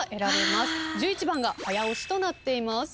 １１番が早押しとなっています。